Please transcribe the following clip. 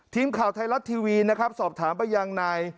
ทีมข่าวไทยรัตน์ทีวีสอบถามประยังใน